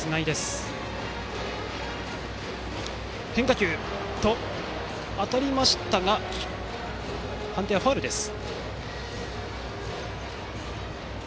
ボールは体に当たりましたが判定はファウルです。